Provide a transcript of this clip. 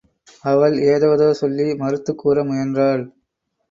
அவள் ஏதேதோ சொல்லி மறுத்துக் கூற முயன்றாள்.